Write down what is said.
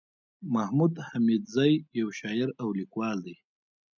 محمود حميدزى يٶ شاعر او ليکوال دئ